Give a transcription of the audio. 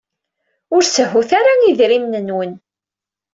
Ur sehhut ara idrimen-nwen.